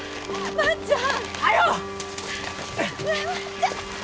万ちゃん！